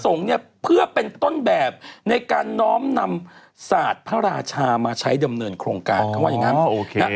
ส่งเพื่อเป็นต้นแบบในการน้อมนำสาธาราชามาใช้เดิมเนินโครงการของวัย